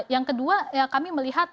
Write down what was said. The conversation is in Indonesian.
yang kedua kami melihat